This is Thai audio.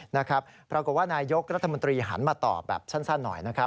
นะครับปรากฏว่านายกรัฐมนตรีหันมาตอบแบบสั้นหน่อยนะครับ